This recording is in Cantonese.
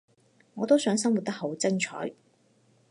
我都想生活得好精彩